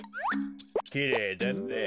きれいだねえ